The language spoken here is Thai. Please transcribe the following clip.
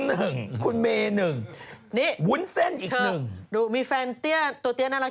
เหรอเอ้ายังจิ้นหล่อปากเสียงแล้วนะ